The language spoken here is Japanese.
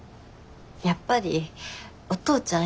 やっぱりお父ちゃん